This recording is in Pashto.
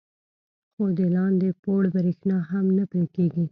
خو د لاندې پوړ برېښنا هم نه پرې کېږي.